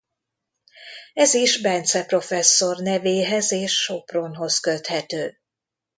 Ez is Bencze Professzor nevéhez és Sopronhoz köthető.